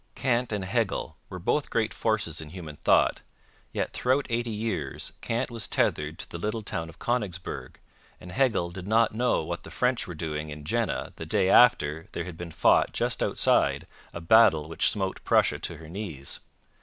Kant and Hegel were both great forces in human thought, yet throughout eighty years Kant was tethered to the little town of Konigsberg, and Hegel did not know what the French were doing in Jena the day after there had been fought just outside a battle which smote Prussia to her knees.